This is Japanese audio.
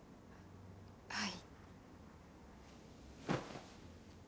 はい。